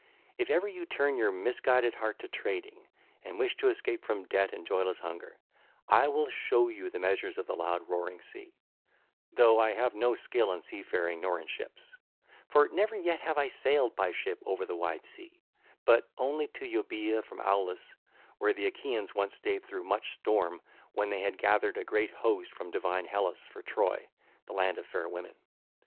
(ll. 646 662) If ever you turn your misguided heart to trading and with to escape from debt and joyless hunger, I will show you the measures of the loud roaring sea, though I have no skill in sea faring nor in ships; for never yet have I sailed by ship over the wide sea, but only to Euboea from Aulis where the Achaeans once stayed through much storm when they had gathered a great host from divine Hellas for Troy, the land of fair women.